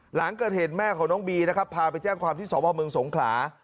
หลังเกิดเหตุแม่ของน้องบีนะครับพาไปแจ้งความที่สพเมืองสงขลา